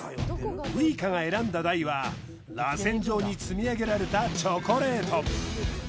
ウイカが選んだ台はらせん状に積み上げられたチョコレート